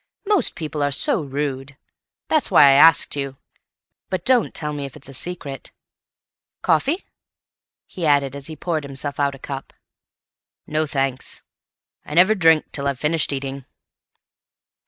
"Most people are so rude. That's why I asked you. But don't tell me if it's a secret. Coffee?" he added, as he poured himself out a cup. "No, thanks. I never drink till I've finished eating."